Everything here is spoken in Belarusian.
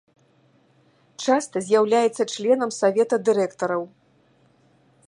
Часта з'яўляецца членам савета дырэктараў.